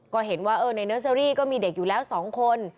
ก็เห็นว่าในเนอร์เซอรี่ก็มีเด็กอยู่แล้ว๒คน